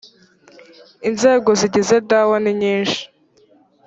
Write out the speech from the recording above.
inzego zigize dawa ni nyinshi